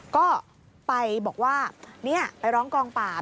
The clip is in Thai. ก็ไปบอกว่าไปร้องกองปราบ